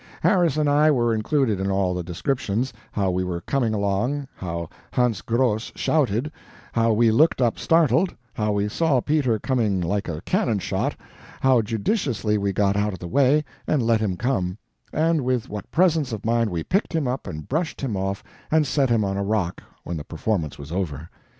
Harris and I were included in all the descriptions; how we were coming along; how Hans Gross shouted; how we looked up startled; how we saw Peter coming like a cannon shot; how judiciously we got out of the way, and let him come; and with what presence of mind we picked him up and brushed him off and set him on a rock when the performance was over.